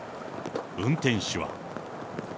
運転手は。